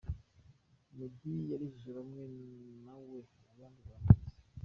Meddy yarijije bamwe nawe abandi baramuriza.